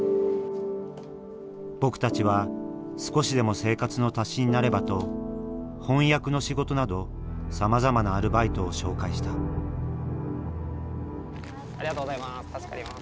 僕たちは少しでも生活の足しになればと翻訳の仕事などさまざまなアルバイトを紹介したありがとうございます。